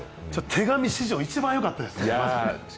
手紙史上一番よかったです。